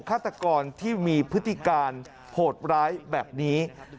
ฆาตกรที่มีพฤติการโหดร้ายแบบนี้